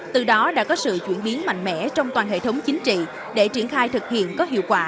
từ đó đã có sự chuyển biến mạnh mẽ trong toàn hệ thống chính trị để triển khai thực hiện có hiệu quả